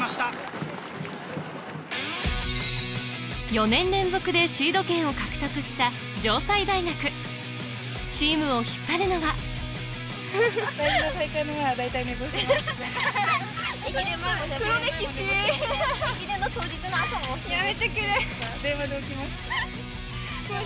４年連続でシード権を獲得した城西大学チームを引っ張るのは電話で起きました。